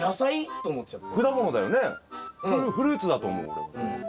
フルーツだと思う俺も。